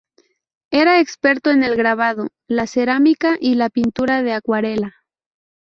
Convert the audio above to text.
Era experto en el grabado, la cerámica y la pintura de acuarela.